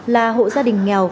là hộ gia đình nghèo